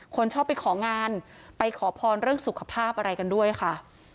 คนชอบไปของานไปขอพรเรื่องสุขภาพอะไรกันด้วยค่ะ